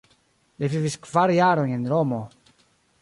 Li vivis kvar jarojn en Romo.